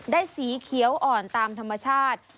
สีเขียวอ่อนตามธรรมชาติ